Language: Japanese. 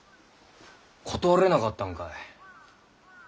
断れなかったんか？